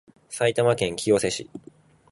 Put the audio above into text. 埼玉県清瀬市